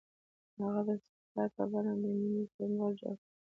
هغه د سفر په بڼه د مینې سمبول جوړ کړ.